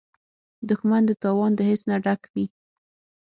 دښمن د تاوان د حس نه ډک وي